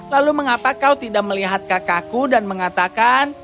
lalu mengapa kau tidak melihat kakakku dan mengatakan